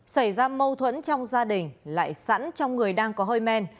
xảy ra mâu thuẫn trong gia đình lại sẵn trong người đang có hơi men